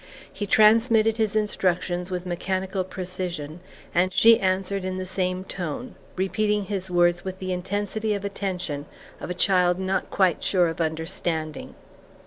He transmitted his instructions with mechanical precision, and she answered in the same tone, repeating his words with the intensity of attention of a child not quite sure of understanding.